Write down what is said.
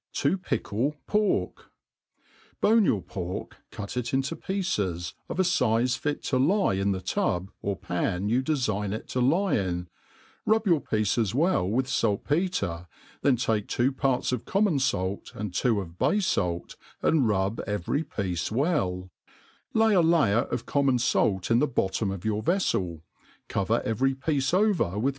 . To pickU Pork. BONE your pork, cut it into pieces, of a fize fi( to lie in ihe tub or pan you de(ign it to lie in, rub your pieces well with falt petre, then take two parts of common ialt,, and twg of bay falt, and rub every piece well ; lay a l^yer of conunon fait in the bottom pf your vefTel, cover every piece over with